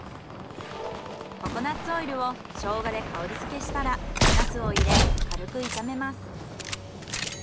ココナッツオイルをショウガで香り付けしたらナスを入れ軽く炒めます。